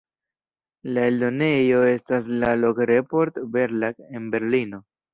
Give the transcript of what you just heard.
La eldonejo estas la "Lok-Report-Verlag" en Berlino.